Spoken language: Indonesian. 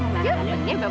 yuk yuk yuk yuk